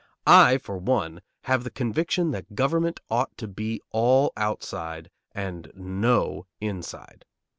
I, for one, have the conviction that government ought to be all outside and no inside.